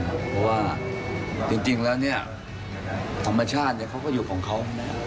เพราะว่าจริงจริงแล้วเนี้ยธรรมชาติเนี้ยเขาก็อยู่ของเขา